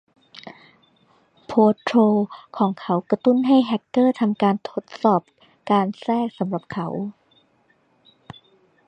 โพสต์โทรลล์ของเขากระตุ้นให้แฮกเกอร์ทำการทดสอบการแทรกสำหรับเขา